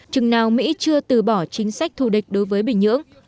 chừng nào mỹ chưa từ bỏ chính sách thù địch đối với bình nhưỡng